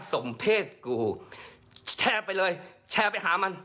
สมเพศกูแชร์ไปเลยแชร์ไปหามัน